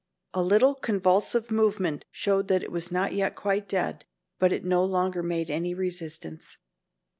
A little convulsive movement showed that it was not yet quite dead, but it no longer made any resistance.